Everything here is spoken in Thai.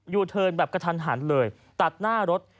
อยู่เทินก์กระทันหันตัดหน้ารถ